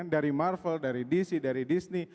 dari marvel dari dc dari disney